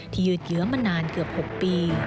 ยืดเยื้อมานานเกือบ๖ปี